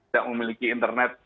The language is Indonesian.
yang memiliki internet